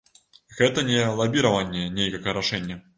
Гэта не лабіраванне нейкага рашэння.